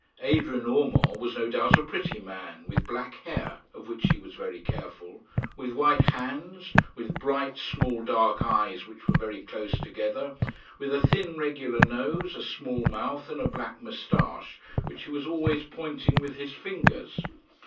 Adrian Urmand was no doubt a pretty man, with black hair, of which he was very careful, with white hands, with bright small dark eyes which were very close together, with a thin regular nose, a small mouth, and a black moustache, which he was always pointing with his fingers.